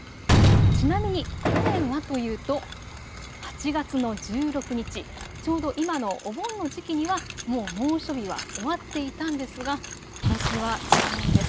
ちなみに去年はというと、８月の１６日、ちょうど今のお盆の時期にはもう猛暑日は終わっていたんですがことしは違うんです。